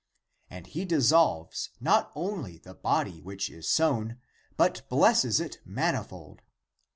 27. And he dissolves not only the body which is sown, but blesses it manifold.